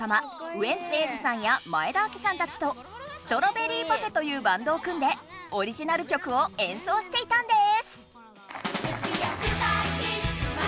ウエンツ瑛士さんや前田亜季さんたちとストロベリーパフェというバンドを組んでオリジナル曲を演奏していたんです！